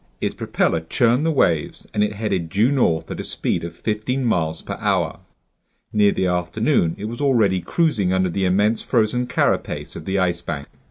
Its propeller churned the waves and it headed due north at a speed of fifteen miles per hour. Near the afternoon it was already cruising under the immense frozen carapace of the Ice Bank.